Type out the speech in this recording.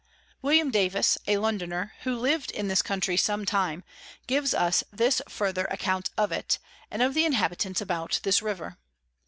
William Davis a Londoner, who liv'd in this Country some time, gives us this further Account of it, and of the Inhabitants about this River.